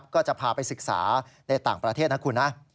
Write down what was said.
ก็จะพาไปศึกษาในต่างประเทศนะคุณนะ